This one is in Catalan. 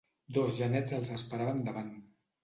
Dos genets els esperaven davant.